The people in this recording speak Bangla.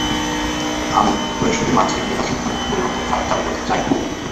আমি কুরাইশদের মাঝে নেতার সিদ্ধান্ত পরিবর্তনের ধারা চালু করতে চাই না।